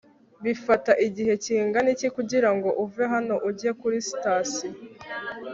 Bifata igihe kingana iki kugirango uve hano ujya kuri sitasiyo